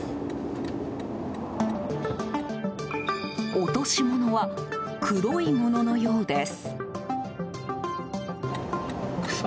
落とし物は黒い物のようです。